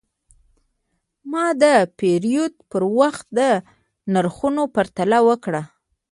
ما د پیرود پر وخت د نرخونو پرتله وکړه.